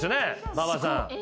馬場さん。